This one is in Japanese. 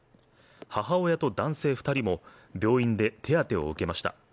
母親と男性２人も病院で手当てを受けました。